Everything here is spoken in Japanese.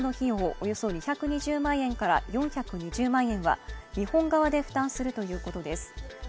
およそ２２０万円から４２０万円は日本側で負担するということです。